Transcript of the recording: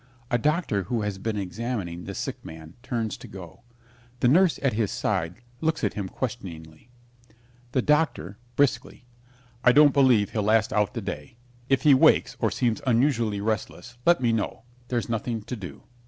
A doctor who has been examining the sick man turns to go. The nurse at his side looks at him questioningly. THE DOCTOR (briskly) I don't believe he'll last out the day. If he wakes or seems unusually restless, let me know. There's nothing to do.